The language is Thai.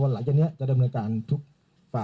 ส่วนบุคคลที่จะถูกดำเนินคดีมีกี่คนและจะมีพี่เต้ด้วยหรือเปล่า